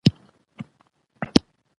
زه يو ځل بيا وايم چې پر خپل مخالفت ولاړ يم.